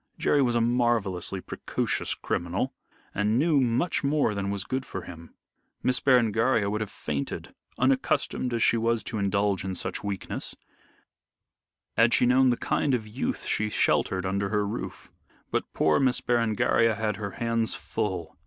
Jerry was a marvellously precocious criminal and knew much more than was good for him. Miss Berengaria would have fainted unaccustomed as she was to indulge in such weakness had she known the kind of youth she sheltered under her roof. But poor Miss Berengaria had her hands full.